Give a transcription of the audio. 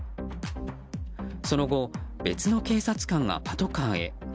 その後、別の警察官がパトカーへ。